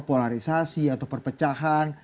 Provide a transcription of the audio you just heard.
polarisasi atau perpecahan